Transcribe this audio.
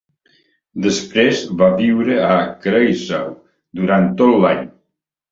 Després va viure a Kreisau durant tot l'any.